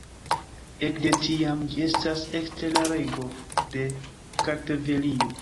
Ekde tiam, ĝi estas ekster la rego de Kartvelio.